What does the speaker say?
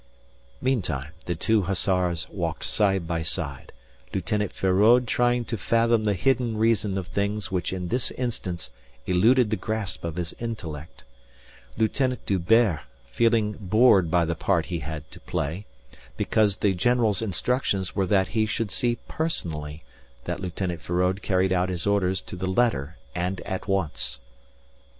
Meantime the two hussars walked side by side, Lieutenant Feraud trying to fathom the hidden reason of things which in this instance eluded the grasp of his intellect; Lieutenant D'Hubert feeling bored by the part he had to play; because the general's instructions were that he should see personally that Lieutenant Feraud carried out his orders to the letter and at once.